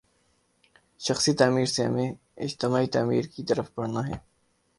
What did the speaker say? شخصی تعمیر سے ہمیں اجتماعی تعمیر کی طرف بڑھنا ہے۔